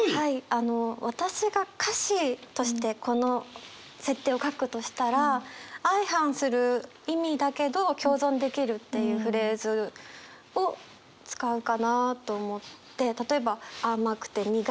あの私が歌詞としてこの設定を書くとしたら相反する意味だけど共存できるっていうフレーズを使うかなと思って。